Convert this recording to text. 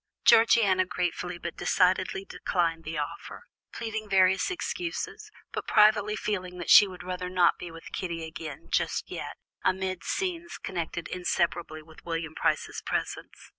Georgiana gratefully but decidedly declined the offer, pleading various excuses, but privately feeling that she would rather not be with Kitty again just yet, amid scenes connected inseparably with William Price's presence.